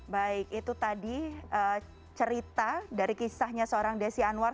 baik itu tadi cerita dari kisahnya seorang desi anwar